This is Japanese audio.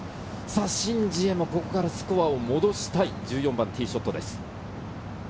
シン・ジエもスコアを伸ばしたい、１４番のティーショットです。